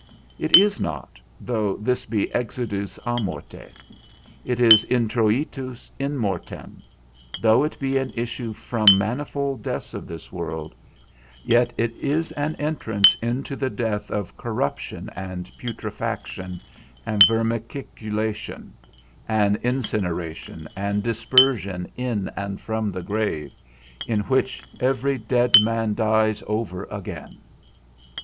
It is not, though this be exitus à morte: it is introitus in mortem; though it be an issue from manifold deaths of this world, yet it is an entrance into the death of corruption and putrefaction, and vermiculation, and incineration, and dispersion in and from the grave, in which every dead man dies over again.